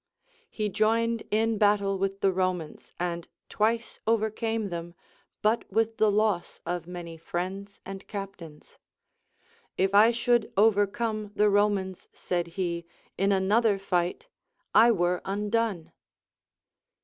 He joined in battle with the Romans, and twice overcame them, but with the loss of many friends and captains. If I should o\'ercome the Romans, said he, in another fight, I were undone.